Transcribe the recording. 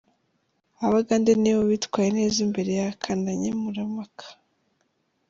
Abagande nibo bitwaye neza imbere y’akana nkemura mpaka.